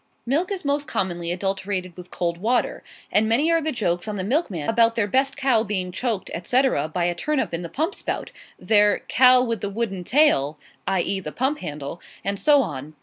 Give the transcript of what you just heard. Milk is most commonly adulterated with cold water; and many are the jokes on the milkmen about their best cow being choked etc., by a turnip in the pump spout their "cow with the wooden tail" (i. e., the pump handle,) and so on.